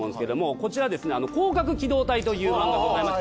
こちら『攻殻機動隊』という漫画がございます。